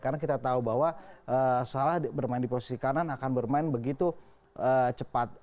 karena kita tahu bahwa salah bermain di posisi kanan akan bermain begitu cepat